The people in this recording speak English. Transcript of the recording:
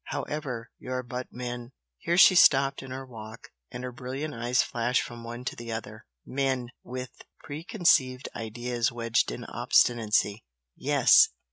However you are but men!" Here she stopped in her walk, and her brilliant eyes flashed from one to the other "Men! with pre conceived ideas wedged in obstinacy! yes!